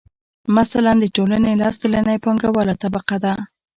مثلاً د ټولنې لس سلنه یې پانګواله طبقه ده